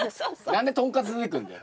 何でとんかつ出てくんだよ。